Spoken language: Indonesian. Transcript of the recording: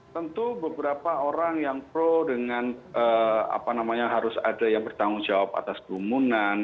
tentu beberapa orang yang pro dengan apa namanya harus ada yang bertanggung jawab atas kerumunan